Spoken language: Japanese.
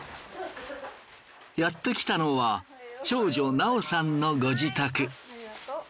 やって来たのは長女奈緒さんのご自宅。